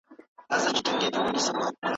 د بریالیتوب لپاره باید ډېره لېوالتیا وښودل سي.